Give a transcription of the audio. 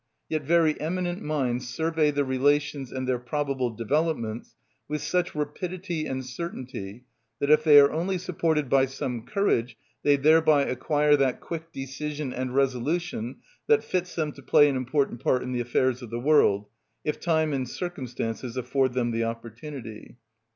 Yet very eminent minds survey the relations and their probable developments with such rapidity and certainty, that if they are only supported by some courage they thereby acquire that quick decision and resolution that fits them to play an important part in the affairs of the world, if time and circumstances afford them the opportunity.